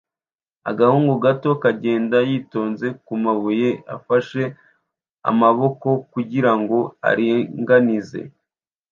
Agahungu gato kagenda yitonze kumabuye afashe amaboko kugirango aringanize